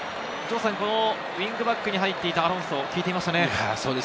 ウイングバックに入っていたアロンソ、効いていましたね。